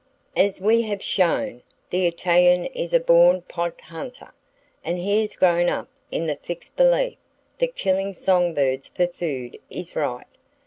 As we have shown, the Italian is a born pot hunter, and he has grown up in the fixed belief that killing song birds for food is right!